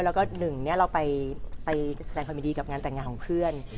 แล้วก็หนึ่งเราไปแสดงความยินดีกับงานแต่งงานของเพื่อน